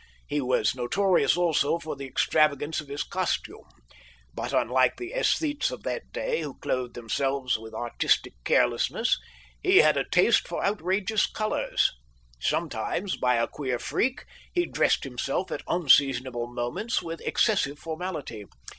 He was notorious also for the extravagance of his costume, but, unlike the aesthetes of that day, who clothed themselves with artistic carelessness, he had a taste for outrageous colours. Sometimes, by a queer freak, he dressed himself at unseasonable moments with excessive formality.